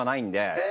えっ。